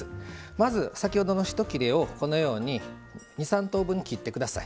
まず先ほどの一切れをこのように２３等分に切ってください。